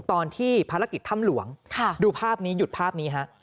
ตอนที่ภารกิจถ้ำหลวงดูภาพนี้หยุดภาพนี้ฮะ